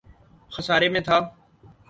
خسارے میں تھا